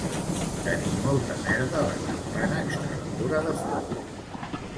Tenir molta merda a la campana extractora de fums